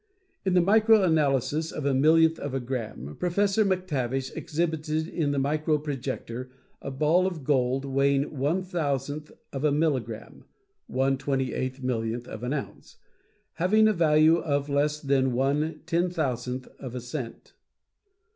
In the micro analysis of a millionth of a gram, Professor MacTavish exhibited in the micro projector a ball of gold weighing one thousandth of a milligram (one twenty eight millionth of an ounce), having a value of less than one ten thousandth of a cent.